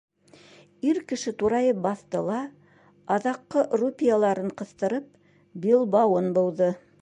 Ир кеше турайып баҫты ла, аҙаҡҡы рупияларын ҡыҫтырып, билбауын быуҙы.